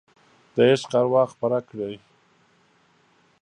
د عشق اروا خپره کړئ